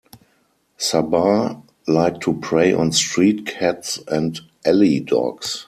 Sabaw like to prey on street cats and alley dogs.